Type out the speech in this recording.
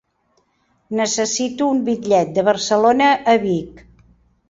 Necessito un bitllet de Barcelona a Vic.